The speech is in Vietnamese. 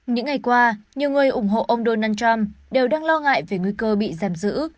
những ngày qua nhiều người ủng hộ ông donald trump đều đang lo ngại về nguy cơ bị giam giữ